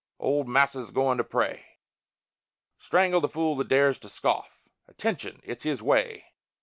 Old Massa's goin' to pray. Strangle the fool that dares to scoff! Attention! it's his way.